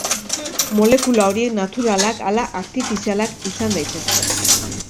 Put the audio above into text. Molekula horiek naturalak ala artifizialak izan daitezke.